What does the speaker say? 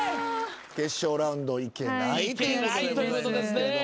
決勝ラウンド行けないということでございますけれども。